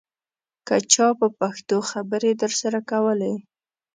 که چا په پښتو خبرې درسره کولې.